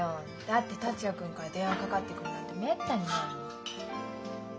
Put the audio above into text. だって達也君から電話かかってくるなんてめったにないもん。